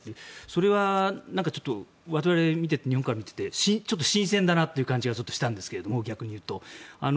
それは我々、日本から見ていて新鮮だという感じがしたんですが逆に言うと。